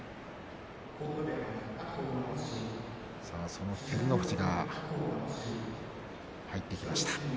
その照ノ富士が入ってきました。